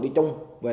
điều trợ viên